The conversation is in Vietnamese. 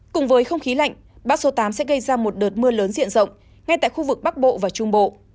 cùng với không khí lạnh bão số tám sẽ gây ra một đợt mưa lớn diện rộng ngay tại khu vực bắc bộ và trung bộ